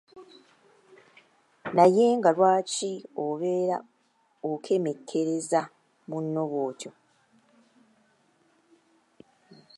Naye nga lwaki obeera okemekkereza munno bw’otyo?